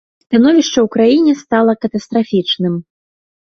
Становішча ў краіне стала катастрафічным.